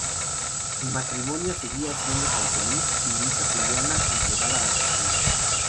El matrimonio seguía siendo tan feliz y Luisa Juliana entregada a su familia.